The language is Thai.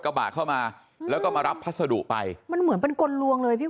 กระบะเข้ามาแล้วก็มารับพัสดุไปมันเหมือนเป็นกลลวงเลยพี่